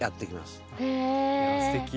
すてき。